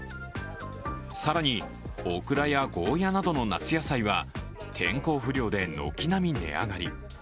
更に、オクラやゴーヤなどの夏野菜は天候不良で軒並み値上がり。